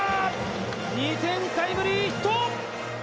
２点タイムリーヒット！